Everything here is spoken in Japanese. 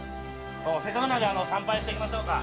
せっかくなんで参拝していきましょうか。